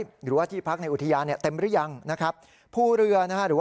หรือว่าที่พักในอุทยาเต็มหรือยัง